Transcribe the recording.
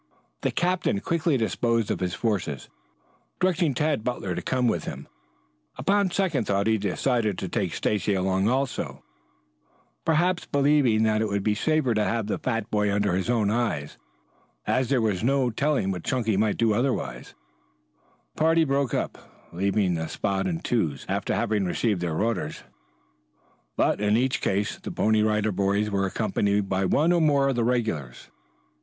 The captain quickly disposed of his forces, directing Tad Butler to come with him. Upon. second thought he decided to take Stacy along also, perhaps believing that it would be safer to have the fat boy under his own eyes, as there was no telling what Chunky might otherwise do. The party broke up, leaving the spot in twos, after having received their orders, but in each case the Pony Rider Boys were accompanied by one or more of the regulars.